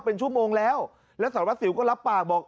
เป็นชั่วโมงแล้วแล้วสารวัสสิวก็รับปากบอก